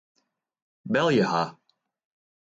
Belje har.